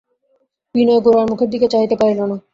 বিনয় গোরার মুখের দিকে চাহিতে পারিল না।